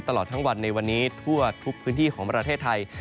ตลอดทั้งวันในวันนี้ทั่วทุกพื้นที่ของประเทศไทย